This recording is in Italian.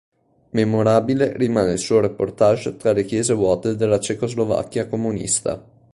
Memorabile rimane il suo reportage tra le chiese vuote della Cecoslovacchia comunista.